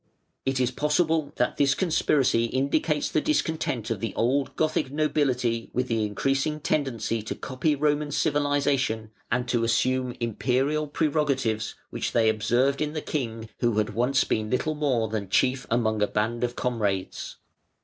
It is possible that this conspiracy indicates the discontent of the old Gothic nobility with the increasing tendency to copy Roman civilisation and to assume Imperial prerogatives which they observed in the king who had once been little more than chief among a band of comrades.